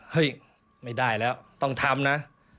ไม่ได้แล้วต้องทำนะ